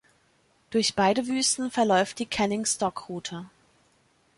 Durch beide Wüsten verläuft die Canning Stock Route.